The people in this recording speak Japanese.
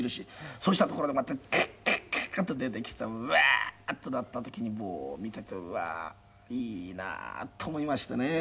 そしたらところがまたガッガッガッと出てきてワーッとなった時に見ててうわーいいなと思いましてね。